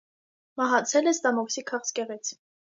Մահացել է ստամոքսի քաղցկեղից։